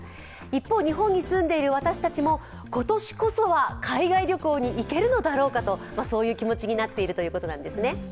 一方、日本に住んでいる私たちも今年こそは海外旅行に行けるのだろうかと、そういう気持ちになっているということなんですね。